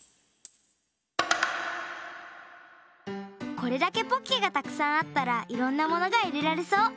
これだけポッケがたくさんあったらいろんなものが入れられそう。